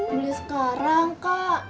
beli sekarang kak